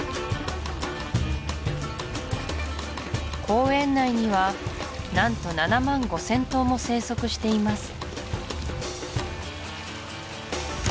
公園内には何と７万５０００頭も生息しています